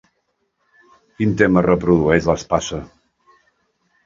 Quin tema reprodueix l'espasa?